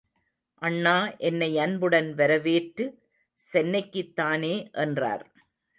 அண்ணா என்னை அன்புடன் வரவேற்று, சென்னைக்குத் தானே என்றார்.